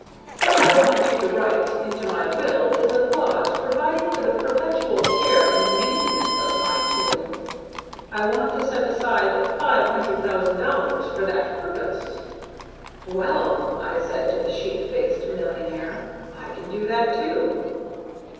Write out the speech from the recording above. What I want you to write into my will is a clause providing for the perpetual care and maintenance of my tomb. I want to set aside five hundred thousand dollars for that purpose." "Well," I said to the sheep faced millionaire, "I can do that, too."